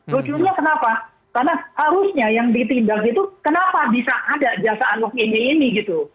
lucunya kenapa karena harusnya yang ditindak itu kenapa bisa ada jasaan wakilnya ini gitu